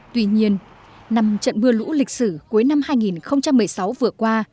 tuy nhiên năm trận mưa lũ lịch sử cuối năm hai nghìn một mươi sáu vừa qua